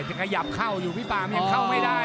ขยับเข้าอยู่พี่ป่ามันยังเข้าไม่ได้